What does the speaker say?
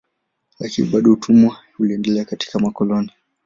Lakini bado utumwa uliendelea katika makoloni.